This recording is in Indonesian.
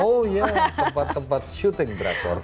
oh ya tempat tempat syuting drakor